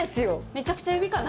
めちゃくちゃ指かな？